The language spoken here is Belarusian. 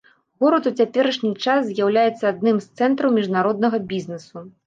Горад у цяперашні час з'яўляецца адным з цэнтраў міжнароднага бізнесу.